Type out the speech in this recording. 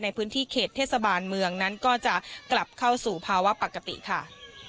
ในพื้นที่เขตเทศบาลเมืองนั้นก็จะกลับเข้าสู่ภาวะปกติค่ะ